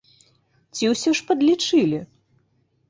Ці ўсё ж падлічылі?